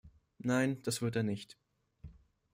Nein, das wird er nicht.